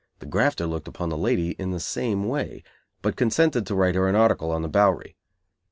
The grafter looked upon the lady in the same way, but consented to write her an article on the Bowery.